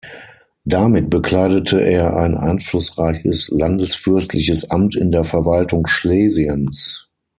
Damit bekleidete er ein einflussreiches landesfürstliches Amt in der Verwaltung Schlesiens.